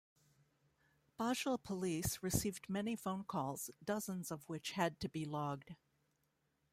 Basel Police received many phone calls, dozens of which had to be logged.